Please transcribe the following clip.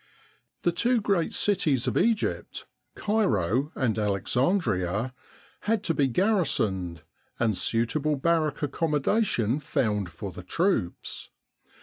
The two great cities of Egypt, Cairo and Alex andria, had to, be garrisoned, and suitable barrack accommodation found for the troops.